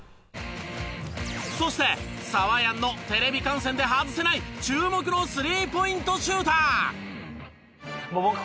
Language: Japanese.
そしてサワヤンのテレビ観戦で外せない注目のスリーポイントシューター。